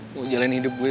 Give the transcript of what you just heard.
mau jalanin hidup gue